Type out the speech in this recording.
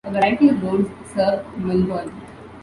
A variety of roads serve Millburn.